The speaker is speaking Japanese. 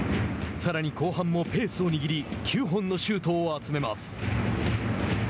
さらに後半もペースを握り９本のシュートを集めます。